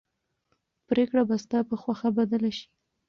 پرېکړه به ستا په خوښه بدله شي.